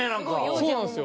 そうなんですよ。